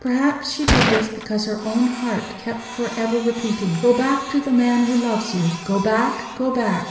Perhaps she did this because her own heart kept for ever repeating, "Go back to the man who loves you. Go back, go back!